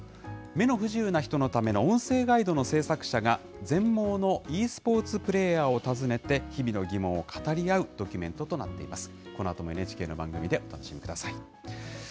目の不自由な人のための音声ガイドの制作者が、全盲のｅスポーツプレーヤーを訪ねて、日々の疑問を語り合うドキュメントとなっています。